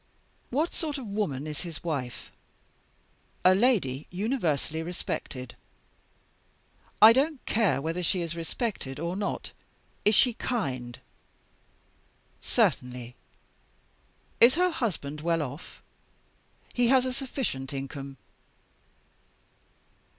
"'What sort of woman is his wife?' "'A lady universally respected.' "'I don't care whether she is respected or not. Is she kind?' "'Certainly!' "'Is her husband well off?' "'He has a sufficient income.